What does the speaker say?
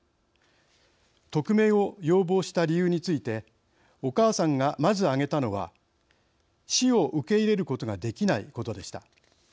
匿名を要望した理由についてお母さんがまず挙げたのは死を受け入れることができないことでした。